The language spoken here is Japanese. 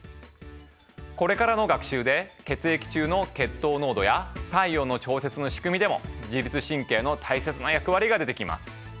これからの学習で血液中の血糖濃度や体温の調節の仕組みでも自律神経の大切な役割が出てきます。